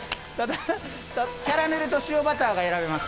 キャラメルと塩バターが選べます。